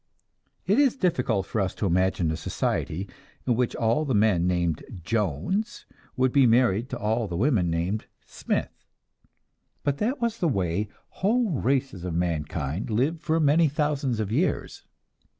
It is difficult for us to imagine a society in which all the men named Jones would be married to all the women named Smith; but that was the way whole races of mankind lived for many thousands of years.